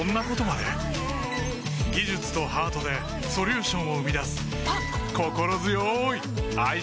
技術とハートでソリューションを生み出すあっ！